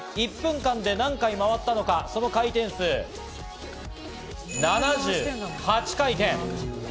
１分間で何回回ったのか、その回転数、７８回転。